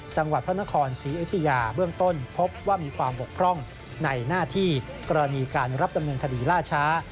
จังหวัดพระนครศรีอยุธยาเบื้องต้นพบว่ามีความบกพร่องในหน้าที่กรณีการรับดำเนินคดีล่าช้า